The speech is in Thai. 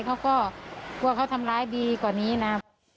เขาก็กลัวเขาทำร้ายดีกว่านี้นะ